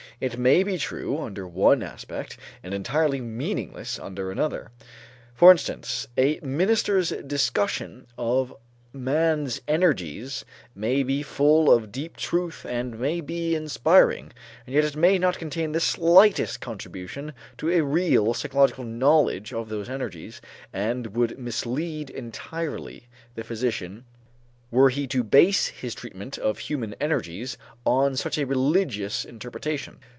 It may be true under one aspect and entirely meaningless under another. For instance, a minister's discussion of man's energies may be full of deep truth and may be inspiring; and yet it may not contain the slightest contribution to a really psychological knowledge of those energies, and would mislead entirely the physician were he to base his treatment of human energies on such a religious interpretation.